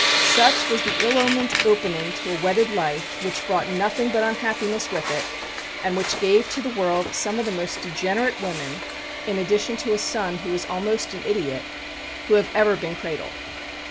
Such was the ill omened opening to a wedded life which brought nothing but unhappiness with it and which gave to the world some of the most degenerate women (in addition to a son who was almost an idiot) who have ever been cradled.